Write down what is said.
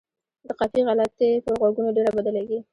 د قافیې غلطي پر غوږونو ډېره بده لګي.